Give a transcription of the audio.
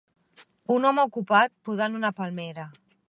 un home ocupat podant una palmera.